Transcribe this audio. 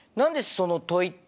その問いって。